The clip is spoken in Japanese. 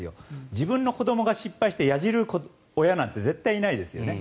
自分の子どもが失敗してやじる親なんて絶対いないですよね。